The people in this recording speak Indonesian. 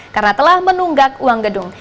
karena telah menunggak uang gedung